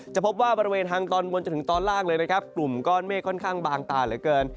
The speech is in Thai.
พบว่าบริเวณทางตอนบนจนถึงตอนล่างเลยนะครับกลุ่มก้อนเมฆค่อนข้างบางตาเหลือเกิน